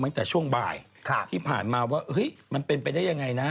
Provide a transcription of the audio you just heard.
ตั้งแต่ช่วงบ่ายที่ผ่านมาว่าเฮ้ยมันเป็นไปได้ยังไงนะ